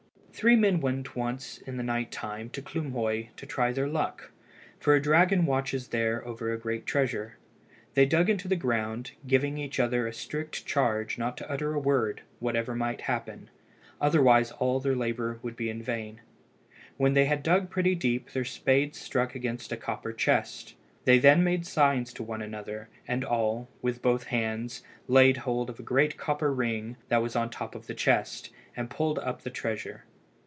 Three men went once in the night time to Klumhöi to try their luck, for a dragon watches there over a great treasure. They dug into the ground, giving each other a strict charge not to utter a word whatever might happen, otherwise all their labour would be in vain. When they had dug pretty deep, their spades struck against a copper chest. They then made signs to one another, and all, with both hands, laid hold of a great copper ring that was on the top of the chest, and pulled up the treasure.